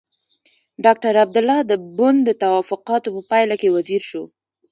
ډاکټر عبدالله د بن د توافقاتو په پايله کې وزیر شو.